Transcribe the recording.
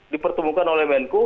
dipertemukan oleh menko